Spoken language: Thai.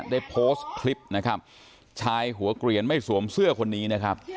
ได้โพสต์คลิปนะครับชายหัวเกลียนไม่สวมเสื้อคนนี้นะครับ